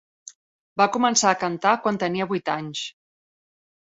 Va començar a cantar quan tenia vuit anys.